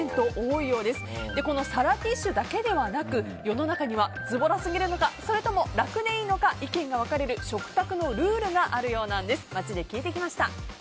皿ティッシュだけではなく世の中にはズボラすぎるのかそれとも楽でいいのか意見が分かれる食卓のルールがあるようなんです。